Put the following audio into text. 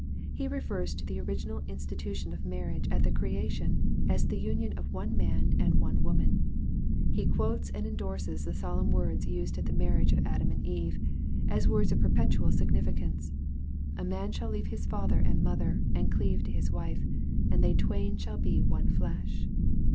He refers to the origina. in stitution of marriage at the creation, as the union of one man and one woman He quotes and endorses the solemn words used at the marriage of Adam and Eve, as words of perpetual significance, " a man shall leave his father and mother, and cleave to his wife : and they twain shall be one flesh."